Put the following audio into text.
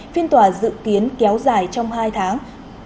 phiên tòa dự kiến kéo dài trong hai tháng